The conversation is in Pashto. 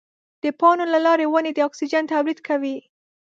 د پاڼو له لارې ونې د اکسیجن تولید کوي.